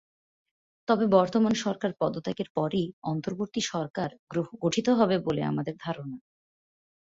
তবে বর্তমান সরকার পদত্যাগের পরই অন্তর্বর্তী সরকার গঠিত হবে বলে আমাদের ধারণা।